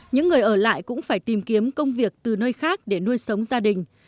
những người ở lại cũng phải tìm kiếm công việc từ nơi khác để nuôi sống gia đình